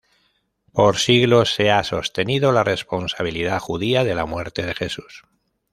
Por siglos se ha sostenido la responsabilidad judía de la muerte de Jesús.